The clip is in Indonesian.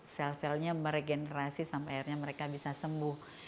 sel selnya meregenerasi sampai akhirnya mereka bisa sembuh